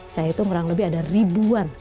saya itu kurang lebih ada ribuan